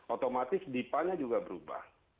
otomatis dipanya juga berubah